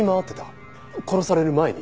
殺される前に？